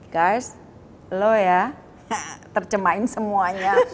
guys lo ya terjemahin semuanya